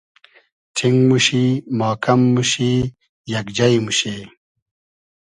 ݖینگ موشی, ماکئم موشی, یئگ جݷ موشی